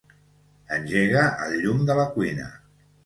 Engega el llum de la cuina.